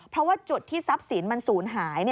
เพราะว่าจุดที่ทรัพย์สินมันศูนย์หาย